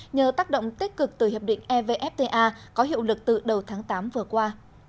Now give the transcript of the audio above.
nhờ tác động tích cực từ hiệp định evfta có hiệu lực từ đầu tháng tám vừa qua